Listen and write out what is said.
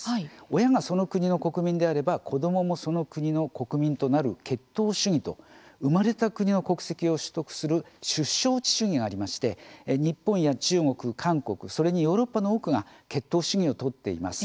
親が、その国の国民であれば子どもも、その国の国民となる「血統主義」と生まれた国の国籍を取得する「出生地主義」がありまして日本や中国、韓国それにヨーロッパの多くが血統主義を取っています。